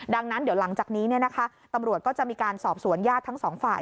ดังนั้นเดี๋ยวหลังจากนี้ตำรวจก็จะมีการสอบสวนญาติทั้งสองฝ่าย